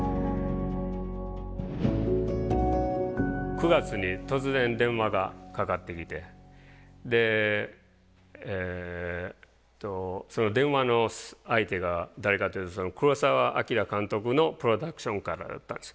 ９月に突然電話がかかってきてでその電話の相手が誰かっていうと黒澤明監督のプロダクションからだったんです。